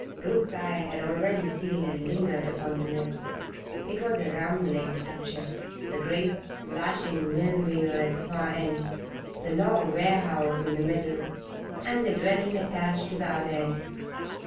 Ruth's eyes had already seen and lingered upon the mill. It was a rambling structure, the great, splashing millwheel at the far end, the long warehouse in the middle, and the dwelling attached to the other end.